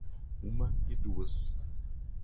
uma e duas